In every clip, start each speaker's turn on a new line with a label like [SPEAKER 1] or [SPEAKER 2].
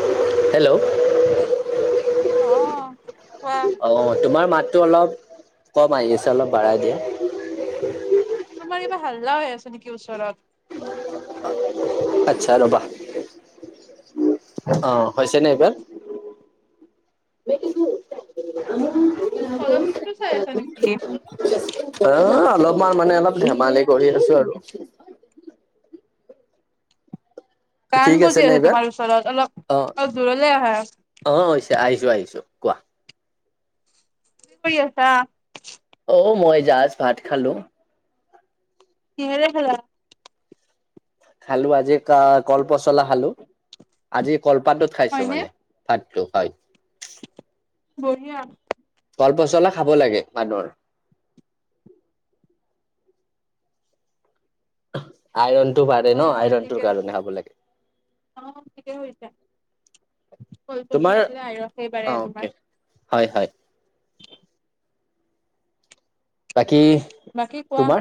[SPEAKER 1] Hello?
[SPEAKER 2] Hello অ
[SPEAKER 1] অ', কোৱা।
[SPEAKER 2] অঁ', তোমাৰ মাতটো অলপ কম আহিছে অলপ বাঢ়াই দিয়া।
[SPEAKER 1] তোমাৰ কিবা হাল্লা হৈ আছে নেকি ওচৰত?
[SPEAKER 2] আচ্ছা ৰবা, অ' হৈছে নে এইবাৰ?
[SPEAKER 1] তলৰ চিতটো চাই আছা নেকি?
[SPEAKER 2] অ', অলপমান মানে অলপ ধেমালি কৰি আছো আৰু।
[SPEAKER 1] গান
[SPEAKER 2] ঠিক
[SPEAKER 1] বজি
[SPEAKER 2] নে
[SPEAKER 1] আছে
[SPEAKER 2] এইবাৰ
[SPEAKER 1] তোমাৰ ওচৰত
[SPEAKER 2] অ
[SPEAKER 1] অলপ দূৰলে আহা।
[SPEAKER 2] অ', হৈছে আহিছো আহিছো কোৱা।
[SPEAKER 1] কি কৰি আছা?
[SPEAKER 2] অ', মই জাষ্ট ভাত খালো।
[SPEAKER 1] কিহেৰে খেলা?
[SPEAKER 2] খালো আজি ক-কলপচলা খালো, আজি কলপাতত খাইছো
[SPEAKER 1] হয়নে
[SPEAKER 2] মানে। [unintelligible] হয়।
[SPEAKER 1] বঢ়িয়া।
[SPEAKER 2] ফল পচলা খাব লাগে মানুহৰ। আইৰনটো বাঢ়ে ন'
[SPEAKER 1] হয় হয় ঠিকে
[SPEAKER 2] আইৰণটোৰ
[SPEAKER 1] আছে
[SPEAKER 2] কাৰণে, খাব লাগে।
[SPEAKER 1] অ', ঠিকেই হৈছে কল
[SPEAKER 2] তোমাৰ
[SPEAKER 1] পচলা খালে আইৰণেই
[SPEAKER 2] অ
[SPEAKER 1] বাঢ়ে
[SPEAKER 2] অকে
[SPEAKER 1] তোমাৰ।
[SPEAKER 2] হয়, হয়। বাকী
[SPEAKER 1] বাকী কোৱা।
[SPEAKER 2] তোমাৰ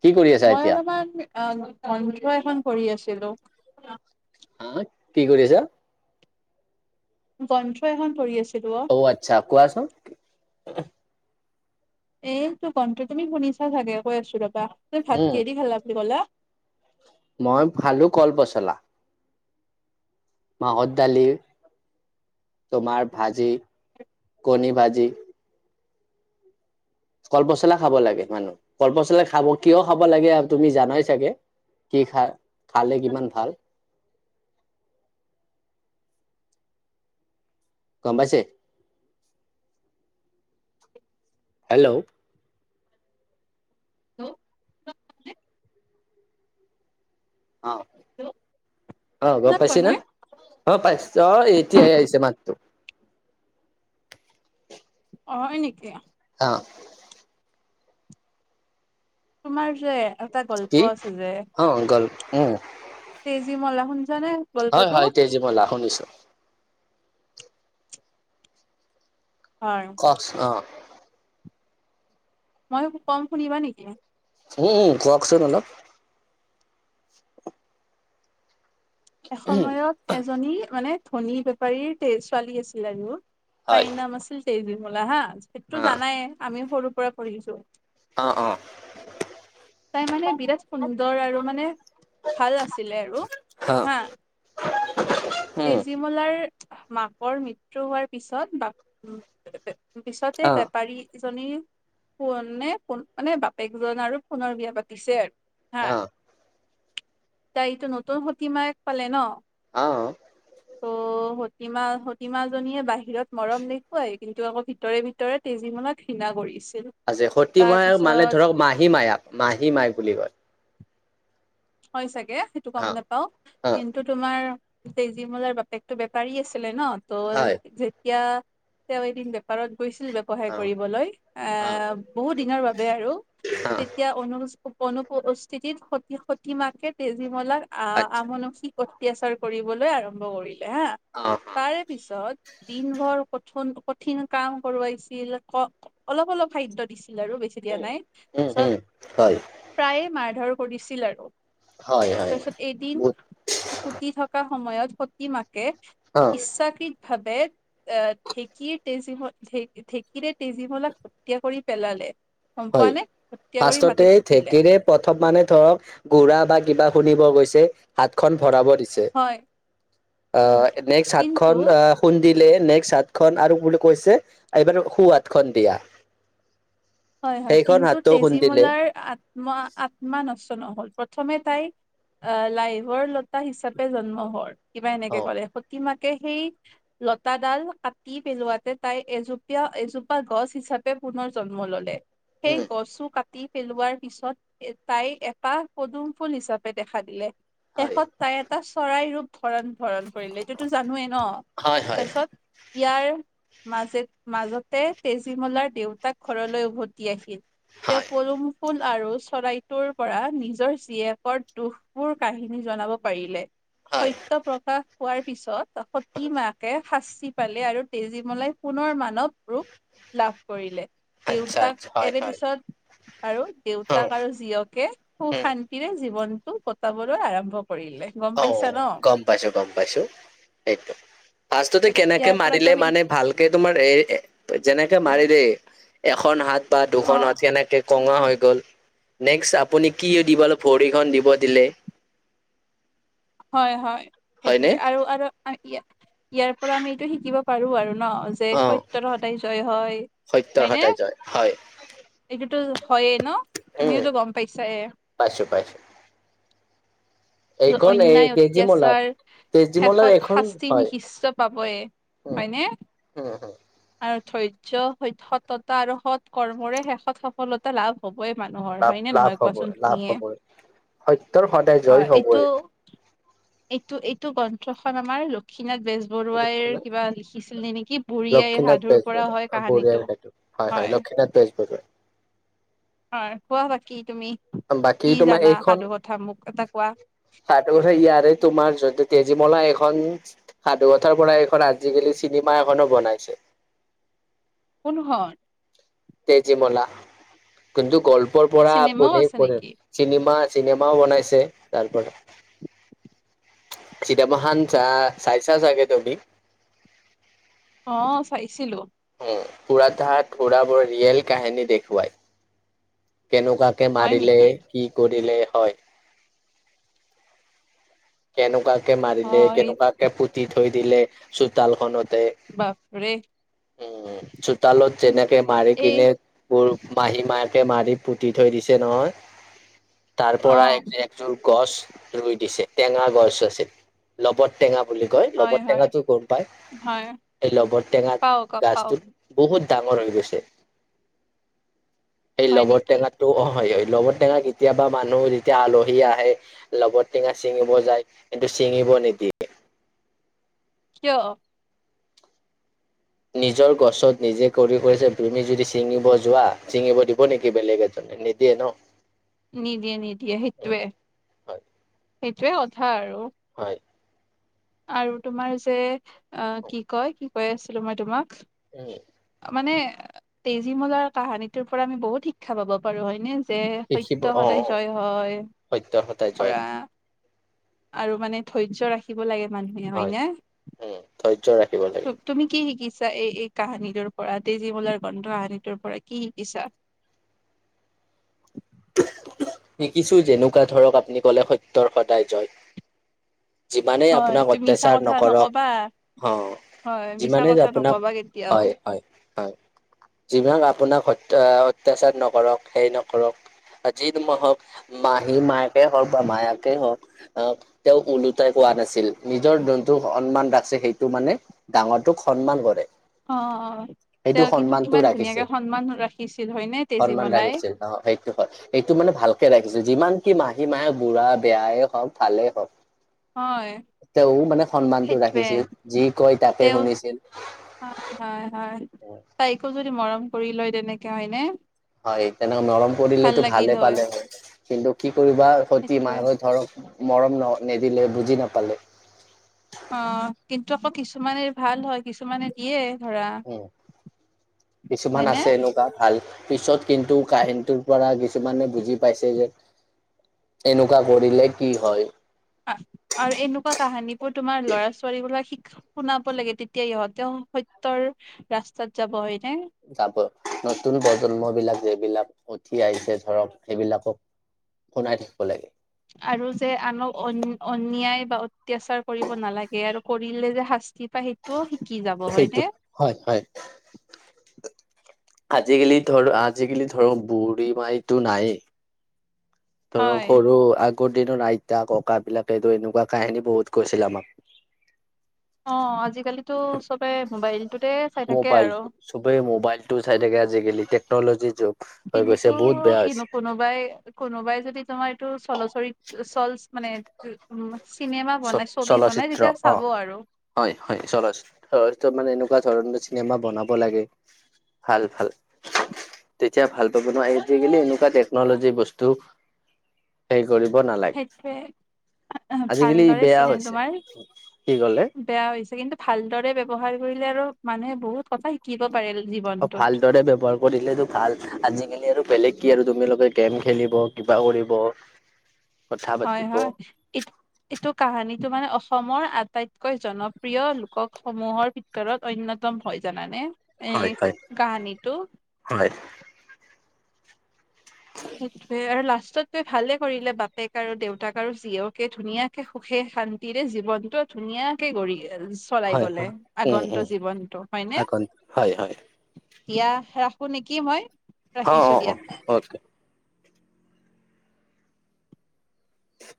[SPEAKER 2] কি কৰি আছা
[SPEAKER 1] মই
[SPEAKER 2] এতিয়া
[SPEAKER 1] অলপমান গন্ঠ এখন পঢ়ি আছিলোঁ।
[SPEAKER 2] হা কি কৰি আছা?
[SPEAKER 1] গ্ৰন্থ এখন পঢ়ি আছিলোঁ অ'।
[SPEAKER 2] অ', আচ্ছা কোৱাচোন।
[SPEAKER 1] এইটো গন্থ তুমি শুনিছা চাগে কৈ আছো ৰবা, তুমি ভাত
[SPEAKER 2] উম
[SPEAKER 1] কিহেডি খালা বুলি ক'লা?
[SPEAKER 2] মই খালো কল পচলা। মাহৰ দালি, তোমাৰ ভাজি, কণী ভাজি। কলপচলা খাব লাগে, মানুহ কলপচলা খাব কিয় খাব লাগে আৰু তুমি জানাই চাগে। কি খা-খালে কিমান ভাল। গ'ম পাইছে? হেল্ল'? অ', অ', গ'ম
[SPEAKER 1] নাই কোৱা
[SPEAKER 2] পাইছে না?
[SPEAKER 1] নাই
[SPEAKER 2] অ', পাইছ অ', এতিয়াহে আহিছে মাতটো।
[SPEAKER 1] অ', হয় নেকি?
[SPEAKER 2] অ'।
[SPEAKER 1] তোমাৰ যে এটা
[SPEAKER 2] কি
[SPEAKER 1] গল্প আছে যে।
[SPEAKER 2] অ গ'ল উম
[SPEAKER 1] তেজী মলা শুনছা নে?
[SPEAKER 2] হয়, হয়, তেজীমলা শুনিছো।
[SPEAKER 1] হয়
[SPEAKER 2] কওকচোন অ'।
[SPEAKER 1] মই কম শুনিবা নেকি?
[SPEAKER 2] উম, কওকচোন অলপ।
[SPEAKER 1] এসময়ত এজনী মানে ধনী বেপাৰীৰ তে ছোৱালী আছিল আৰু।
[SPEAKER 2] হয়
[SPEAKER 1] তাইৰ নাম আছিল তেজীমলা হা, সেইটো
[SPEAKER 2] অ
[SPEAKER 1] জানাই আমি সৰুৰ পৰা পঢ়িছো।
[SPEAKER 2] অ', অ'।
[SPEAKER 1] তাই মানে বিৰাট সুন্দৰ আৰু মানে ভাল আছিলে আৰু
[SPEAKER 2] অ
[SPEAKER 1] হা।
[SPEAKER 2] [unintelligible]
[SPEAKER 1] তেজীমলাৰ মাকৰ মৃত্যু হোৱাৰ পিছত, বাপ পিছতে
[SPEAKER 2] অ'।
[SPEAKER 1] বেপাৰী ইজনী সোনে ফোন মানে বাপেকজন আৰু পুনৰ বিয়া পাতিছে আৰু। হা
[SPEAKER 2] অ
[SPEAKER 1] তাই এইটো নতুন সতি মাইক পালে ন'!
[SPEAKER 2] অ'।
[SPEAKER 1] ত'
[SPEAKER 2] [inaudible]
[SPEAKER 1] সতীমা সতিমা জনীয়ে বাহিৰত মৰম দেখুৱাই কিন্তু, আকৌ ভিতৰে ভিতৰে তেজীমলাত ঘৃণা কৰিছিল।
[SPEAKER 2] আজ সতি
[SPEAKER 1] তাৰ
[SPEAKER 2] মায় মানে
[SPEAKER 1] পিছত
[SPEAKER 2] ধৰক মাহী মায়াক মাহী মায়ক বুলি কয়।
[SPEAKER 1] হয়, চাগে সেইটো গ'ম
[SPEAKER 2] অ
[SPEAKER 1] নাপাও।
[SPEAKER 2] অ
[SPEAKER 1] কিন্তু তোমাৰ, তেজীমলাৰ বাপেকতটো বেপাৰী আছিলে ন, ত
[SPEAKER 2] হয়
[SPEAKER 1] এতিয়া, তেওঁ এদিন বেপাৰত গৈছিল সহায়
[SPEAKER 2] অ
[SPEAKER 1] কৰিবলৈ, এ,
[SPEAKER 2] অ
[SPEAKER 1] বহু দিনৰ বাবে আৰু
[SPEAKER 2] অ
[SPEAKER 1] তেতিয়া অনু, অনুপস্থিতিত, সতি, সতি মাকে তেজীমলাক আহ,
[SPEAKER 2] আচ্ছা
[SPEAKER 1] আমনসি ক অতাচাৰ কৰিবলৈ আৰম্ভ কৰিলে হা,
[SPEAKER 2] অ
[SPEAKER 1] তাৰে পিছত দিনভৰ কথোন কঠিন কাম কৰোৱাইছিল, ক, অলপ- অলপ খাদ্য দিছিল আৰু বেছি দিয়া নাই,
[SPEAKER 2] উম উম
[SPEAKER 1] পাচত
[SPEAKER 2] হয়
[SPEAKER 1] প্ৰায়ে মাৰধৰ কৰিছিল আৰু।
[SPEAKER 2] হয় হয়
[SPEAKER 1] তাৰপিছত, এদিন
[SPEAKER 2] বহুত
[SPEAKER 1] ফুতি থকা সময়ত, সতি মাকে
[SPEAKER 2] অ'।
[SPEAKER 1] ইচ্ছাকৃত ভাবে এ, ঢেঁকীৰ তেজী, ঢেঁকীৰে তেজীমলাক হত্যা কৰি পেলালে। গম
[SPEAKER 2] হয়
[SPEAKER 1] পোৱা নে, হত্যা কৰি
[SPEAKER 2] ফাৰ্ষ্টতে
[SPEAKER 1] মাটিত পুতিলে।
[SPEAKER 2] ঢেঁকীৰে প্ৰথম মানে ধৰক গুৰা বা কিবা শুনিব গৈছে, হাত খন ভৰাব দিছে।
[SPEAKER 1] হয় উম
[SPEAKER 2] অ', নেক্স
[SPEAKER 1] কিন্তু
[SPEAKER 2] হাতখন অ'। খুন্দিলে, নেক্সট হাত খন আৰু বুলি কৈছে এইবাৰ সোঁহাত খন দি
[SPEAKER 1] হয়, হয়, কিন্তু
[SPEAKER 2] হাতো খুন্দিলে
[SPEAKER 1] তেজীমলাৰ আত্মা, আত্মা নষ্ট নহ'ল, প্ৰথমে তাই আ, লাইভৰ লতা হিচাপে জন্ম হ, কিবা
[SPEAKER 2] অ
[SPEAKER 1] এনেকে ক'লে, সতী মাকে সেই লতাডাল কাটি পেলোৱাতে তাই এজোপীয়া, এজোপা গছ হিচাপে পুনৰ জন্ম ল'লে। সেই
[SPEAKER 2] উম
[SPEAKER 1] গছো কাটি পেলোৱাৰ পিছত, তাই এটা পদুম ফুল হিচাপে দেখা দিলে।
[SPEAKER 2] হয়
[SPEAKER 1] শেষত তাই এটা চৰাই ৰূপ ধৰণ, ধৰণ কৰিলে, এইটোতো জানোৱেই ন,
[SPEAKER 2] হয় হয়
[SPEAKER 1] তাৰপিছত ইয়াৰ মাজে, মাজতে তেজীমলাৰ দেউতাক ঘৰলৈ উভতি আহিল। তেওঁ
[SPEAKER 2] হয়
[SPEAKER 1] পলুম ফুল আৰু চৰাইটোৰ পৰা নিজৰ জীয়েকৰ দুখবোৰ কাহিনী জনাব পাৰিলে।
[SPEAKER 2] হয়
[SPEAKER 1] সত্য প্ৰকাশ পোৱাৰ পিছত সতী মাকে শাস্তি পালে, আৰু তেজীমলাই সোণৰ মানৱ ৰূপ লাভ কৰিলে, দি
[SPEAKER 2] আচ্ছা আচ্ছা হয়
[SPEAKER 1] এনে
[SPEAKER 2] হয়
[SPEAKER 1] পিছত, আৰু
[SPEAKER 2] উম
[SPEAKER 1] দেউতাক আৰু জীয়েকে সু, খান্তি
[SPEAKER 2] উম
[SPEAKER 1] শান্তিৰে জীৱনটো কটাবলৈ আৰম্ভ কৰিলে। গম পাইছা
[SPEAKER 2] অ',
[SPEAKER 1] ন?
[SPEAKER 2] গম পাইছোঁ, গম পাইছোঁ, সেইটো। ফাষ্টতে
[SPEAKER 1] ত'
[SPEAKER 2] কেনেকে
[SPEAKER 1] ইয়াৰ পৰাতো
[SPEAKER 2] মাৰিলে
[SPEAKER 1] আমি
[SPEAKER 2] মানে ভাল তোমাৰ এ, যেনেকে মাৰি দেই, এখন হাত বা দুখন
[SPEAKER 1] অ'
[SPEAKER 2] হাত কেনেকে কঙা হৈ গ'ল, নেক্সট আপুনি কি, দিব ভৰিখন দি'ব দিলে।
[SPEAKER 1] হয়, হয়, সেই
[SPEAKER 2] হয়নে
[SPEAKER 1] তেনেকে, আৰু, আৰু ইয়াৰ পৰা আমি এইটো শিকিব পাৰোঁ আৰু ন। যে
[SPEAKER 2] অ
[SPEAKER 1] সত্যৰ সদায় জয় হয়,
[SPEAKER 2] সত্যৰ
[SPEAKER 1] হয়নে?
[SPEAKER 2] সদায় জয় হয়
[SPEAKER 1] এইটোতো হয়েইে ন? তুমিওতো গম পাইছাই।
[SPEAKER 2] পাইছোঁ, পাইছোঁ। এই
[SPEAKER 1] অন্যায়,
[SPEAKER 2] তেজীমলাত
[SPEAKER 1] অত্যাচাৰ
[SPEAKER 2] তেজীমলাৰ
[SPEAKER 1] শেষত
[SPEAKER 2] এখন
[SPEAKER 1] শাস্তি,
[SPEAKER 2] হয়
[SPEAKER 1] নিশিষ্ট পাবই। হয়নে?
[SPEAKER 2] হুম, হুম।
[SPEAKER 1] আৰু ধৈৰ্য স, সততা আৰু সৎ কৰ্মৰে শেষত সফলতা টা লাভ হ'বই মানুহৰ
[SPEAKER 2] লাভ
[SPEAKER 1] হয়, নে,
[SPEAKER 2] লাভ
[SPEAKER 1] নহয়
[SPEAKER 2] হবই
[SPEAKER 1] কোৱাচোন
[SPEAKER 2] লাভ
[SPEAKER 1] তুমিয়ে।
[SPEAKER 2] হবই সত্যৰ সদায়
[SPEAKER 1] হয়
[SPEAKER 2] জয়
[SPEAKER 1] এইটো
[SPEAKER 2] হ'বই।
[SPEAKER 1] এইটো, এইটো গ্ৰন্থখন আমাৰ লক্ষ্মীনাথ বেজবৰুৱাইৰ
[SPEAKER 2] লক্ষীনাথ
[SPEAKER 1] কিবা শিকিছিল ননেকি বুঢ়ী আই সাধুৰ পৰা
[SPEAKER 2] বেজবৰুৱা
[SPEAKER 1] হয় কাহানীটো, হয়।
[SPEAKER 2] বেজ বজাৰ।
[SPEAKER 1] হয়, কোৱা বাকী তুমি
[SPEAKER 2] বাকী
[SPEAKER 1] কি
[SPEAKER 2] তোমাৰ
[SPEAKER 1] জানা সাধু কথা মোক এটা কোৱা?
[SPEAKER 2] স, ইয়াৰে তোমাৰ যদি তেজীমলা এখন সাধুকথাৰ পৰা এইখন আজিকালি, চিনেমা এখনো বনাইছে।
[SPEAKER 1] কোন, খন?
[SPEAKER 2] তেজীমলা কিন্তু গল্পৰ পৰা
[SPEAKER 1] চিনেমাও
[SPEAKER 2] আপুনি
[SPEAKER 1] আছে নেকি
[SPEAKER 2] চিনেমা, চিনেমাও বনাইছে তাৰপৰা চীতামান চা, চাইছা চাগে তুমি?
[SPEAKER 1] অ চাইছিলো-
[SPEAKER 2] অ পুৰাতাত থোৰা বৰ ৰিয়েল কাহিনী দেখুৱাই। কেনেকুৱাকে
[SPEAKER 1] হয়
[SPEAKER 2] মাৰিলে
[SPEAKER 1] নেকি
[SPEAKER 2] কি কৰিলে হয়। কেনেকুৱাকে
[SPEAKER 1] অ
[SPEAKER 2] মাৰিলে
[SPEAKER 1] এই
[SPEAKER 2] কেনেকুৱাকে পুতি থৈ দিলে চোতাল খতে।
[SPEAKER 1] বাপৰে
[SPEAKER 2] উ চুতালো যেনেক মাৰ
[SPEAKER 1] এই
[SPEAKER 2] কিনে। বোৰ মাহী মাকে মাৰি পুতি থৈ দিছে নহয় তাৰ
[SPEAKER 1] অ
[SPEAKER 2] পৰা এক। যোৰ গছ ৰুই দিছে টেঙা গছ আছিল। লবত টেঙা বুলি কয়
[SPEAKER 1] হয়
[SPEAKER 2] লবৰ
[SPEAKER 1] হয়
[SPEAKER 2] টেঙাটো গম পাই।
[SPEAKER 1] হয়
[SPEAKER 2] এই লবত টেঙাত
[SPEAKER 1] পাও ক পাও
[SPEAKER 2] গছটোত। বহুত ডাঙৰ হৈ গৈছে এইেই
[SPEAKER 1] হয় নেকি
[SPEAKER 2] লবতটেঙাত। অ হয় হয় লগত টেঙা কেতিয়াবা মানুহ যেতিয়া আলহী আহে লগত টেঙা। চিঙিব যায় কিন্তু ছিঙিব নিদিয়ে।
[SPEAKER 1] কিয়?
[SPEAKER 2] নিজৰ গছত নিজে কৰি কৰিছে তুমি যদি চিঙিব যোৱা ছিঙিব দিব নেকি বেলেগ এ। নিদিযে ন।
[SPEAKER 1] নিদিয়ে নিদিয়ে
[SPEAKER 2] উম,
[SPEAKER 1] সেইটোৱে
[SPEAKER 2] হয়
[SPEAKER 1] সেইটোৱে কথা আৰু।
[SPEAKER 2] হয়-
[SPEAKER 1] আৰু তোমাৰ যে অ কি কয় কি কৈ আছিলো মই তোমাক-
[SPEAKER 2] অ-
[SPEAKER 1] মানে তেজীমলাৰ কাহানীটোৰ পৰা আমি বহুত শিক্ষা পাব পাৰো হয়নে- যে
[SPEAKER 2] শিকিব
[SPEAKER 1] সত্য
[SPEAKER 2] অ
[SPEAKER 1] সদা
[SPEAKER 2] অ
[SPEAKER 1] জয় হয়
[SPEAKER 2] সত্য সদায় জয়
[SPEAKER 1] [unintelligible] আৰু মানে ধৈৰ্য ৰাখিব লাগে মানুহে হয়
[SPEAKER 2] উম ধৈৰ্য ৰাখিব লাগে
[SPEAKER 1] ন- তুমি কি শিকিছা এই এই কাহানিটোৰ পৰা তেজীমলাৰ গ্ৰন্ধ কাহানিটোৰ পৰা কি শিকিছা-
[SPEAKER 2] শিকিছো যেনেকুৱা ধৰক আপুনি কলে সত্যৰ সদায় জয়- যিমানেই
[SPEAKER 1] হয়
[SPEAKER 2] আপোনাক
[SPEAKER 1] তুমি মিছা
[SPEAKER 2] অত্যাচাৰ
[SPEAKER 1] কথা নকবা
[SPEAKER 2] নকৰক-
[SPEAKER 1] হয়
[SPEAKER 2] অ
[SPEAKER 1] মিছা
[SPEAKER 2] যিমানেই যে
[SPEAKER 1] কথা
[SPEAKER 2] আপোনাক
[SPEAKER 1] নকবা কেতিয়াও
[SPEAKER 2] হয় হয় হয়- যিমান আপোনাক সত্য অত্যাচাৰ নকৰক সেইৰ নকৰক যি মই হক- মাহী মাকে হওক বা মায়াকেই হওক আহ তেওঁক ওলোটাই কোৱা নাছিল- নিজৰ জোনটো সন্মান আছে সেইটো মানে ডাঙৰটোক সন্মান কৰে-
[SPEAKER 1] অ
[SPEAKER 2] সেইটো
[SPEAKER 1] তেওঁ কিন্তু
[SPEAKER 2] সন্মানটো
[SPEAKER 1] কিমান
[SPEAKER 2] ৰাখিছে
[SPEAKER 1] ধুনীয়াকে সন্মান ৰাখিছিল হয়নে
[SPEAKER 2] সন্মান
[SPEAKER 1] তেজীমলাই-
[SPEAKER 2] ৰাখিছিল অ সেই হয় এইটো মানে ভালকে ৰাখিছো যিমান কি মাহী মায়ে বুঢ়া বেয়ে হওঁক ভালেই হওক।
[SPEAKER 1] হয়
[SPEAKER 2] তেওঁ মানে সন্মানটো
[SPEAKER 1] সেইটোৱে
[SPEAKER 2] ৰাখিছিল যি কয় তাকে
[SPEAKER 1] তেওঁ
[SPEAKER 2] শুনিছিল।
[SPEAKER 1] হয় হয় হয় তাইকো যদি মৰম কৰি লয় তেনেকে হয় নে-
[SPEAKER 2] হয় তেনেক নৰম কৰিলেতো ভালে পালে হয়- কিন্তু কি কৰিবা সতি
[SPEAKER 1] সেইটোৱে
[SPEAKER 2] মাহহে ধৰক মৰম ন নিদিলে বুজি নাপালে-
[SPEAKER 1] অ কিন্তু আকৌ কিছুমানে ভাল হয় কিছুমানে- সিয়ে ধৰা
[SPEAKER 2] উম কিছুমান
[SPEAKER 1] হয়নে?
[SPEAKER 2] আছে এনেকুৱা ভাল পিছত কিন্তু কাহিনটোৰ পৰা কিছুমানে বুজি পাইছে যে এনেকুৱা কৰিলে কি হয়।
[SPEAKER 1] আৰু এনেকুৱা কাহানী বোৰ তোমাৰ ল'ৰা ছোৱালী বিলাক শিক্ষা শুনাব লাগে তেতিয়া ইহঁতে সত্যৰ ৰাস্তাত যাব হয়নে?
[SPEAKER 2] যাব, নতুন প্ৰজন্ম বিলাক যবিলাক উঠি আহিছে ধৰক সেইবিলাকক শুনাই থাকিব লাগে।
[SPEAKER 1] আৰু যে আনক অন্যায় বা অত্যাচাৰ কৰিব নালাগে আৰু কৰিলে যে শাস্তি পাই সেই টো শিকি যাব হয়
[SPEAKER 2] সেইটো
[SPEAKER 1] নে?
[SPEAKER 2] হয় হয়। আজিকালি ধৰ আজিকালি ধৰ বুঢ়ী মানুহটো নাইয়ে। ধৰক
[SPEAKER 1] হয়।
[SPEAKER 2] সৰু আগৰ দিনত আইতা ককা বিলাকে এনেকুৱা কাহিনী বহুত কৈছিল আমাক।
[SPEAKER 1] অ আজিকালিতো চবে মোবাইলটোতে চাই থাকে
[SPEAKER 2] মোবাইল,
[SPEAKER 1] আৰু
[SPEAKER 2] চবেই মোবাইলটো চাই থাকে আজিকালি, টেকন'লজি যোগ। হৈ গৈছে,
[SPEAKER 1] কিন্তু
[SPEAKER 2] বহুত বেয়া আছে।
[SPEAKER 1] কিনো কোনোবাই, কোনোবাই যদি তোমাৰ এইটো চলচৰিত, চলচ মানে উম, চিনেমা
[SPEAKER 2] চ
[SPEAKER 1] বনাই, ছবি বনাই
[SPEAKER 2] চলচিত্ৰ
[SPEAKER 1] তেতিয়া
[SPEAKER 2] অ
[SPEAKER 1] চাব আৰু।
[SPEAKER 2] হয় হয় চলছ, অ' মানে এনেকুৱা ধৰণৰ চিনেমা বনাব লাগে। ভাল, ভাল। তেতিয়া ভাল পাব নহয়, আজিকালি এনেকুৱা টেকন'লজি বস্তু হেৰি কৰিব নালাগে।
[SPEAKER 1] [unintelligible]
[SPEAKER 2] আজিকালি
[SPEAKER 1] ভালদৰে চি
[SPEAKER 2] বেয়া হৈছে।
[SPEAKER 1] তোমাৰ
[SPEAKER 2] কি কলে?
[SPEAKER 1] বেয়া হৈছে। কিন্তু ভালদৰে ব্যৱহাৰ কৰিলে আৰু মানুহে বহুত কথা শিকিব পাৰে জীৱনটোত।
[SPEAKER 2] ভাল দৰে ব্যবহাৰ কৰিলেটো ভাল। আজিকালি আৰু বেলেগ কি তোমালোকে গেম খেলিব, কিবা কৰিব। [inaudible]
[SPEAKER 1] হয়
[SPEAKER 2] পাতিব
[SPEAKER 1] হয়। এইটো কাহানীটো মানে অসমৰ আটাইতকৈ জনপ্ৰিয় লোকৰ সমূহৰ ভিতৰত অন্যতম হয় জানানে?
[SPEAKER 2] হয়
[SPEAKER 1] এই
[SPEAKER 2] হয়
[SPEAKER 1] কাহানীটো।
[SPEAKER 2] হয়।
[SPEAKER 1] সেইটোয়ে, আৰু লাষ্টত তাই ভালে কৰিলে, বাপেক আৰু দেউতাক আৰু জীয়েকে ধুনীয়া কে সুখে, শান্তিৰে জীৱনটো ধুনীয়া কে কৰি চলাই
[SPEAKER 2] হয়
[SPEAKER 1] গলে,
[SPEAKER 2] হয় উম
[SPEAKER 1] আগন্তু
[SPEAKER 2] উম
[SPEAKER 1] জীৱনটো হয়নে?
[SPEAKER 2] আগন হয় হয়
[SPEAKER 1] দিয়া, ৰাখো নেকি মই।
[SPEAKER 2] অঁ
[SPEAKER 1] ৰাখিছো
[SPEAKER 2] অঁ
[SPEAKER 1] দিয়া।
[SPEAKER 2] অকে।